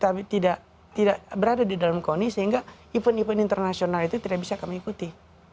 karena tidak berada di dalam koni sehingga event event internasional itu tidak bisa kami ikuti